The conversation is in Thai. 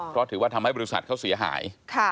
เพราะถือว่าทำให้บริษัทเขาเสียหาย